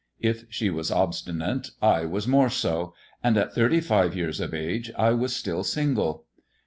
If she was obstinate, I was more so, and at thirty five years of age I was still single.